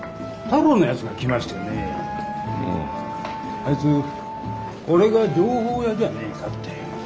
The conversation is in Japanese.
あいつ俺が情報屋じゃねえかって。